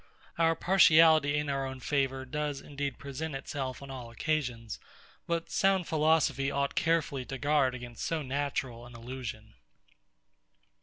Our partiality in our own favour does indeed present it on all occasions; but sound philosophy ought carefully to guard against so natural an illusion.